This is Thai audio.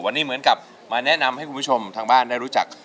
วันนี้เหมือนกับมาแนะนำให้คุณผู้ชมทางบ้านได้รู้จัก